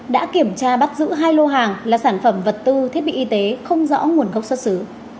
đã kiểm tra bắt giữ hai lô hàng là sản phẩm vật tư thiết bị y tế không rõ nguồn gốc xuất xứ